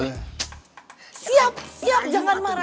siap siap jangan marah